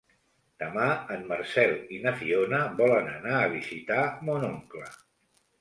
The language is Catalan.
Demà en Marcel i na Fiona volen anar a visitar mon oncle.